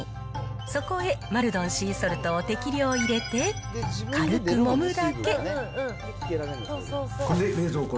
そこへマルドンシーソルトを適量入れて、軽くもむだけ。